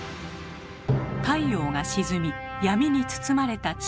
太陽が沈み闇に包まれた地球。